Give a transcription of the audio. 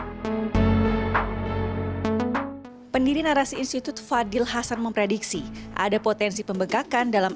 hai pendiri narasi institut fadil hasan memprediksi ada potensi pembekakan dalam